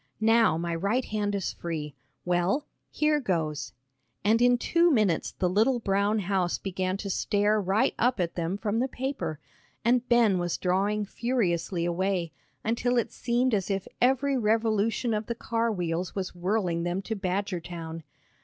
"Now my right hand is free. Well, here goes!" And in two minutes the little brown house began to stare right up at them from the paper, and Ben was drawing furiously away, until it seemed as if every revolution of the car wheels was whirling them to Badgertown.